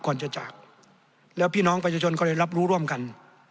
ก่อนจะจากแล้วพี่น้องประชาชนก็เลยรับรู้ร่วมกัน